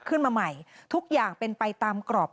ขึ้นมาใหม่ทุกอย่างเป็นไปตามกรอบ